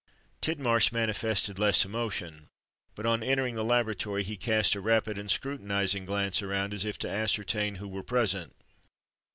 Tidmarsh manifested less emotion; but, on entering the laboratory, he cast a rapid and scrutinizing glance around, as if to ascertain who were present.